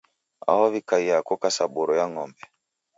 Aho w'ikaiya koka sa boro ya ng'ombe.